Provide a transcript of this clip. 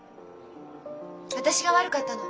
私が悪かったの。